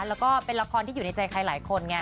แล้วก็เป็นละครที่อยู่ในใจใครหลายคนไง